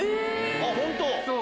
あっ本当！